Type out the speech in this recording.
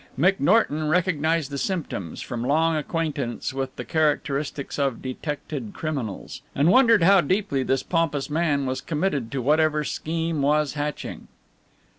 McNorton recognized the symptoms from long acquaintance with the characteristics of detected criminals, and wondered how deeply this pompous man was committed to whatever scheme was hatching.